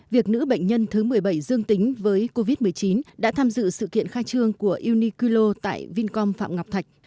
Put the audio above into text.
việc nữ bệnh nhân thứ một mươi bảy dương tính với covid một mươi chín đã tham dự sự kiện khai trương của uniqlo tại vincom phạm ngọc thạch